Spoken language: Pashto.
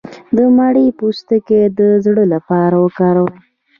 د مڼې پوستکی د زړه لپاره وکاروئ